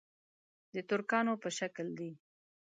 د ترکانو په شکل دي.